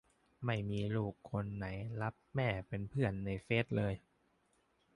ไม่มีลูกคนไหนรับแม่เป็นเพื่อนในเฟซเลย